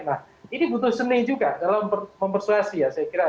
nah ini butuh seni juga dalam mempersuasi ya saya kira